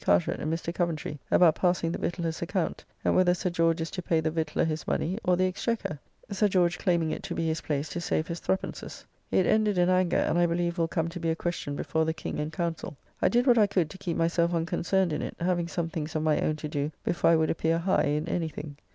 Carteret and Mr. Coventry, about passing the Victualler's account, and whether Sir George is to pay the Victualler his money, or the Exchequer; Sir George claiming it to be his place to save his threepences. It ended in anger, and I believe will come to be a question before the King and Council. I did what I could to keep myself unconcerned in it, having some things of my own to do before I would appear high in anything.